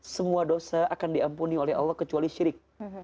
semua dosa akan diampuni oleh allah kecuali syirik